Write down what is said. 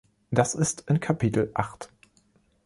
Das ist in Kapitel Acht.